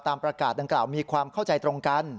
ประกาศดังกล่าวมีความเข้าใจตรงกัน